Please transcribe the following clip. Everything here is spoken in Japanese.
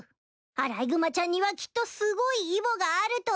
アライグマちゃんにはきっとすごいイボがあると思う。